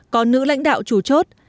có nữ lãnh đạo chủ chốt